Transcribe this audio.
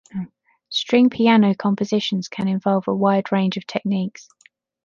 String piano compositions can involve a wide range of techniques.